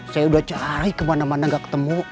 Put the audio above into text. saya udah cari kemana mana gak ketemu